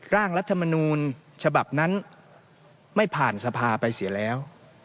ร่างรัฐมนูลฉบับนั้นไม่ผ่านสภาไปเสียแล้ว